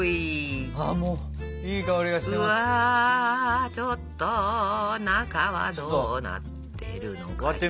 うわちょっと中はどうなってるのかしら？